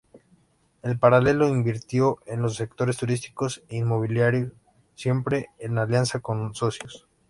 En paralelo, invirtió en los sectores turístico e inmobiliario, siempre en alianza con socios.